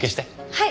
はい。